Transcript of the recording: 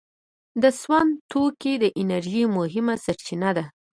د سون توکي د انرژۍ مهمه سرچینه ده.